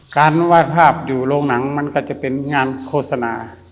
การวาดภาพอยู่โรงหนังมันก็จะเป็นงานโฆษณา